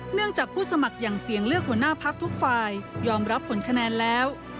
เนื่องจากผู้สมัครอย่างเสียงเลือกหัวหน้าพักทุกฝ่ายยอมรับผลคะแนนแล้ว